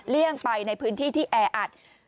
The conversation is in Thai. เลี่ยงไปในพื้นที่ที่แออัด